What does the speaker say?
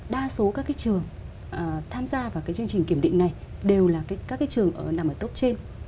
đa số các trường tham gia vào chương trình kiểm định này đều là các trường nằm ở tốt trên